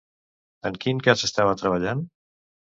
En quin cas estava treballant?